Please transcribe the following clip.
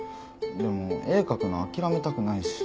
でも絵描くの諦めたくないし。